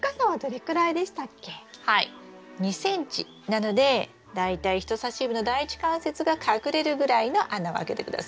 ２ｃｍなので大体人さし指の第１関節が隠れるぐらいの穴を開けて下さい。